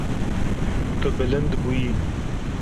Tu bilind bûyî.